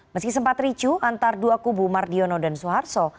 meski sempat ricu antar dua kubu mardiono dan soeharto